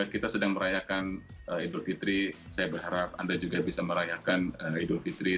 kita sedang merayakan idul fitri saya berharap anda juga bisa merayakan idul fitri